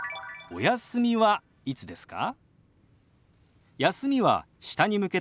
「お休みはいつですか？」。